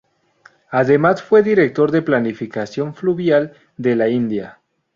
Además fue director de planificación fluvial de la India.